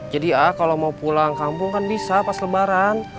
jadi ah kalau mau pulang kampung kan bisa pas lebaran